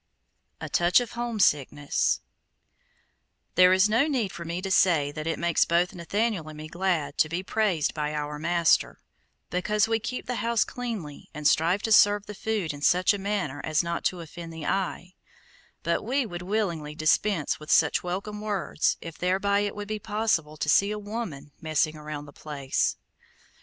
A TOUCH OF HOMESICKNESS There is no need for me to say that it makes both Nathaniel and me glad to be praised by our master, because we keep the house cleanly and strive to serve the food in such a manner as not to offend the eye; but we would willingly dispense with such welcome words if thereby it would be possible to see a woman messing around the place.